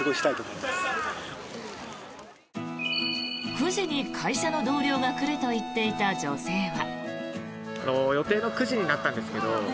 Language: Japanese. ９時に会社の同僚が来ると言っていた女性は。